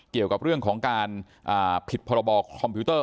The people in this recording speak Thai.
เกี่ยวกับเรื่องของการผิดพรบคอมพิวเตอร์